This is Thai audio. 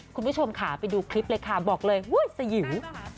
คุณผู้ชมค่ะไปดูคลิปเลยค่ะบอกเลยสยิว